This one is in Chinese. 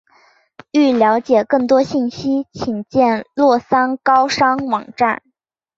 欲了解更多信息请见洛桑高商网站。